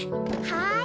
はい！